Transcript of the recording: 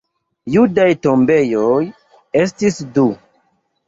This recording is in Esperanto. Judaj tombejoj estis du.